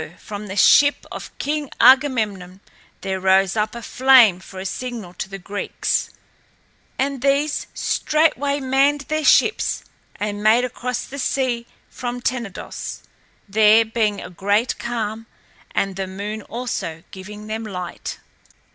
from the ship of King Agamemnon there rose up a flame for a signal to the Greeks; and these straightway manned their ships and made across the sea from Tenedos, there being a great calm and the moon also giving them light.